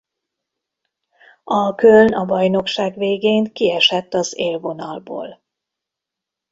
A Köln a bajnokság végén kiesett az élvonalból.